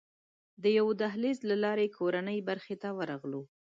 د یوه دهلېز له لارې کورنۍ برخې ته ورغلو.